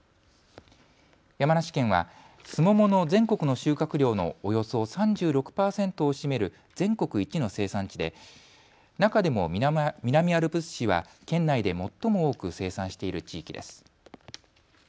山梨県はスモモの全国の収穫量のおよそ３６％を占める全国一の生産地で中でも南アルプス市は県内で最も多く生産している地域です。